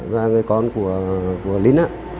và người con của lính